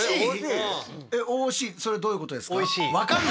それどういうことですか？